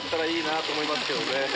いいなと思いますけどね。